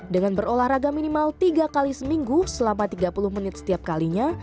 dengan berolahraga minimal tiga kali seminggu selama tiga puluh menit setiap kalinya